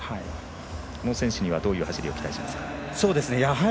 この選手にはどういう走りを期待しますか？